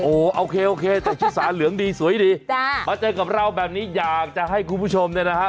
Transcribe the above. โอเคโอเคแต่ชิสาเหลืองดีสวยดีจ้ะมาเจอกับเราแบบนี้อยากจะให้คุณผู้ชมเนี่ยนะฮะ